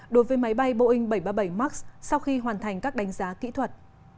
đối với máy bay boeing bảy trăm ba mươi bảy max sau khi hoàn thành các đánh giá kỹ thuật